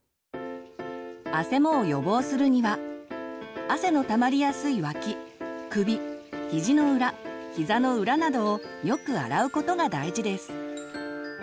あせもを予防するには汗のたまりやすい脇首ひじの裏ひざの裏などをよく洗うことが大事です。